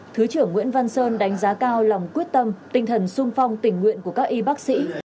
thứ trưởng nguyễn văn sơn đánh giá cao lòng quyết tâm tinh thần sung phong tình nguyện của các y bác sĩ